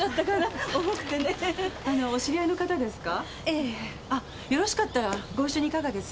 ええ。あっよろしかったらご一緒にいかがです？